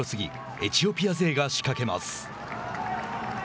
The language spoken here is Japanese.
エチオピア勢が仕掛けます。